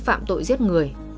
phạm tội giết người